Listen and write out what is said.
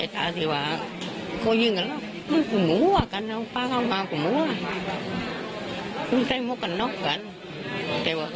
แต่เปล่าก็ไม่น่ากล้า